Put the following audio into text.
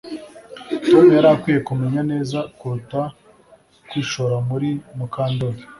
Tom yari akwiye kumenya neza kuruta kwishora muri Mukandoli